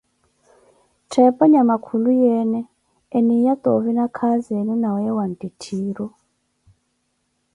Ttheepo nyama khuluyeene eniya toovi nakhazi enu na weeyo waattitthiru?